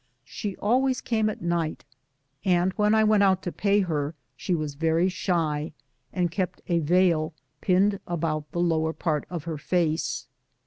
She always came at night, and when I went out to pay her she was very shy, and kept a veil pinned about the lower part of her face.